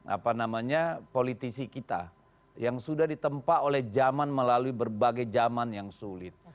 apa namanya politisi kita yang sudah ditempa oleh zaman melalui berbagai zaman yang sulit